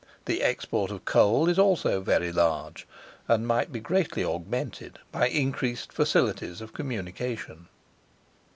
The export of coal is also very large, and might be greatly augmented by increased facilities of communication.